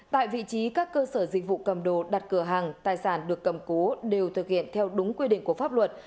tại vị trí các cơ sở dịch vụ cầm đồ đặt cửa hàng tài sản được cầm cố đều thực hiện theo đúng quy định của pháp luật